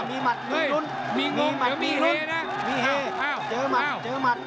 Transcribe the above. มีมัดมีรุนมีมัดมีเหมีเหเจอมัดเจอมัด